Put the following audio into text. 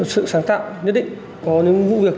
sự sáng tạo nhất định có những vụ việc